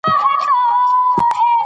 کله چې په زړه باور ولرو ستونزې فرصت کیږي.